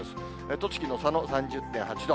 栃木の佐野３０．８度。